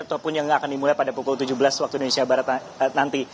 ataupun yang akan dimulai pada pukul tujuh belas waktu indonesia barat nanti